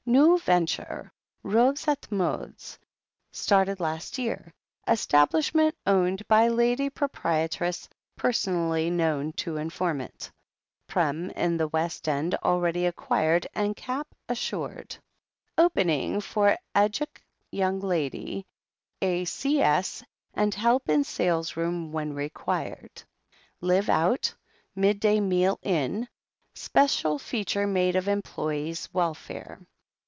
"New venture. Robes et Modes. Started last year. Establishment owned by Lady Proprietress, personally known to informant. Prem. in West End already ac quired and cap. assured." "Opening for educ. young lady; a/cs and help in sales room when required." "Live out; midday meal in. Special feature made of employees' welfare."